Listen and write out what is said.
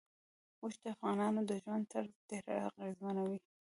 اوښ د افغانانو د ژوند طرز ډېر اغېزمنوي.